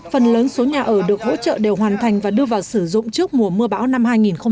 phần lớn số nhà ở được hỗ trợ đều hoàn thành và đưa vào sử dụng trước mùa mưa bão năm hai nghìn một mươi tám